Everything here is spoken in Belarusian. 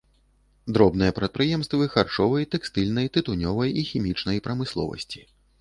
Дробныя прадпрыемствы харчовай, тэкстыльнай, тытунёвай і хімічнай прамысловасці.